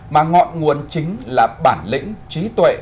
mà ngọn nguồn chính là bản lĩnh trí tuệ